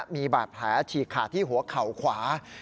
มีบาดแผลฉีกขาดที่หัวเข่าขวา